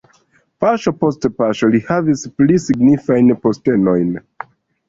Paŝo post paŝo li havis pli signifajn postenojn.